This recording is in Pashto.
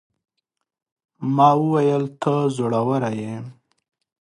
ما وويل: ته زړوره يې.